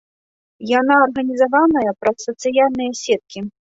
Яна арганізаваная праз сацыяльныя сеткі.